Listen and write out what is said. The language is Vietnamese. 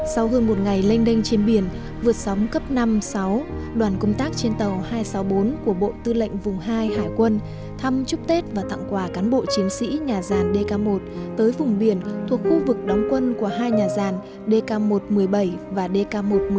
sau hơn một ngày lênh đênh trên biển vượt sóng cấp năm sáu đoàn công tác trên tàu hai trăm sáu mươi bốn của bộ tư lệnh vùng hai hải quân thăm chúc tết và tặng quà cán bộ chiến sĩ nhà giàn đk một tới vùng biển thuộc khu vực đóng quân của hai nhà giàn đk một một mươi bảy và đk một một mươi sáu